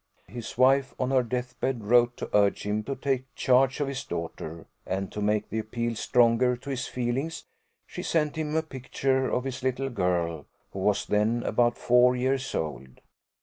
His wife, on her death bed, wrote to urge him to take charge of his daughter; and, to make the appeal stronger to his feelings, she sent him a picture of his little girl, who was then about four years old.